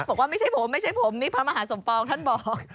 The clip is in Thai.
บอกว่าไม่ใช่ผมนี่พระมหาสมฟองท่านบอก